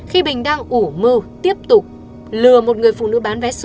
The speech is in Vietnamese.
khi bình đang ủ mơ tiếp tục lừa một người phụ nữ